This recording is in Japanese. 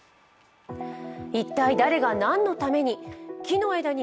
一体誰が何のために。